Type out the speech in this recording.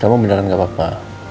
kamu benar benar nggak apa apa